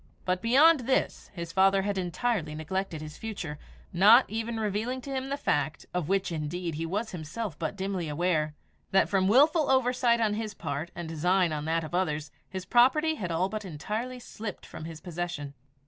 But beyond this his father had entirely neglected his future, not even revealing to him the fact of which, indeed, he was himself but dimly aware that from wilful oversight on his part and design on that of others, his property had all but entirely slipped from his possession.